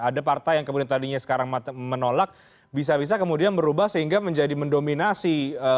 ada partai yang kemudian tadinya sekarang menolak bisa bisa kemudian berubah sehingga menjadi mendominasi